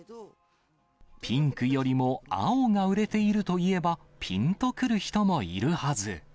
ピンクよりも青が売れているといえば、ぴんとくる人もいるはず。